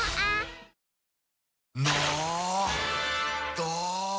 ど！